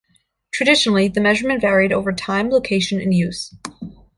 Traditionally, the measurement varied over time, location, and use.